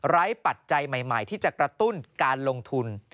ปัจจัยใหม่ที่จะกระตุ้นการลงทุน